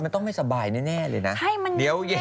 เดี๋ยว๑๒นี้จะมันเห็นอีก